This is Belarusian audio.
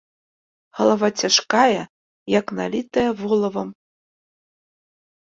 Галава цяжкая, як налітая волавам.